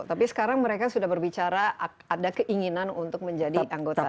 tapi sekarang mereka sudah berbicara ada keinginan untuk menjadi anggota